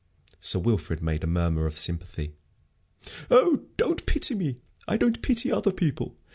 Sir Wilfrid made a murmur of sympathy. "Oh, don't pity me! I don't pity other people.